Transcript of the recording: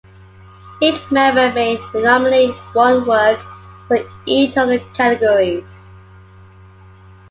Each member may nominate one work for each of the categories.